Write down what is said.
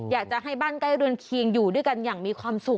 อยากจะให้บ้านใกล้เรือนเคียงอยู่ด้วยกันอย่างมีความสุข